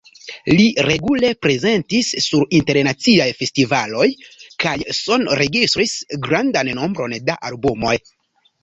Li regule prezentis sur internaciaj festivaloj kaj sonregistris grandan nombron da albumoj.